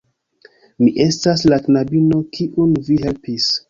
Mi estas la knabino kiun vi helpis